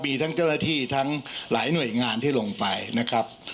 มีทั้งเจ้าหน้าที่ทั้งหลายหน่วยงานที่ลงไปนะครับ